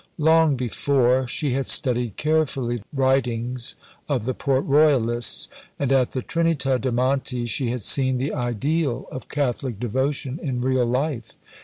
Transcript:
Long before, she had studied carefully the writings of the Port Royalists; and at the Trinità de' Monti she had seen the ideal of Catholic devotion in real life.